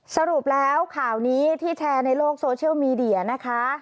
สรุปแล้วข่าวนี้ที่แชร์ในโลกโซเชียลมีเดียนะคะ